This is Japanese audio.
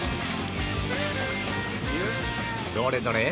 どれどれ？